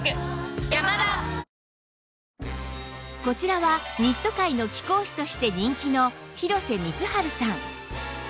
こちらはニット界の貴公子として人気の広瀬光治さん